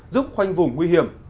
giúp khoanh vùng nguy hiểm